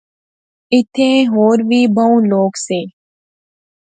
ایتھیں ہور وی بہوں لوک سے